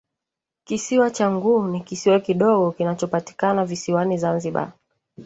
Kisiwa changuu ni kisiwa kidogo kinachopatikana visiwani zanzibar